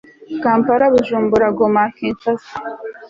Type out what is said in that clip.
kampala, bujumbura, goma, kinshasa